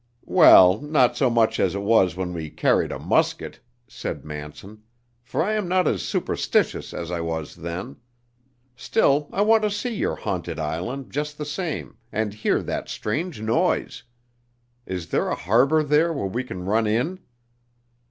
"Well, not so much as it was when we carried a musket," said Manson, "for I am not as superstitious as I was then. Still, I want to see your haunted island just the same and hear that strange noise. Is there a harbor there where we can run in?"